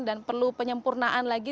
dan perlu penyempurnaan lagi